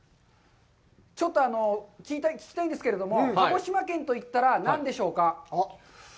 ちょっと聞きたいんですけれども、鹿児島県といったら何でしょうか。